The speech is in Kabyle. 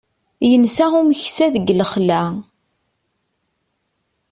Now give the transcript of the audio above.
Yensa umeksa deg lexla.